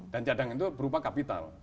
dan cadangan itu berupa kapital